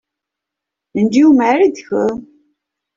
And you married her.